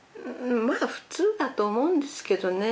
まあ普通だと思うんですけどね